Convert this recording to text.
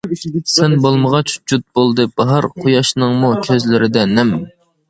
سەن بولمىغاچ جۇت بولدى باھار، قۇياشنىڭمۇ كۆزلىرىدە نەم.